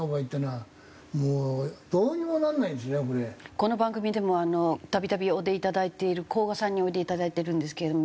この番組でもたびたびお出いただいている甲賀さんにおいでいただいてるんですけれども。